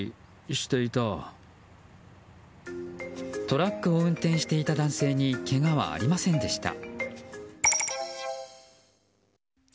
トラックを運転していた男性にけがはありませんでした。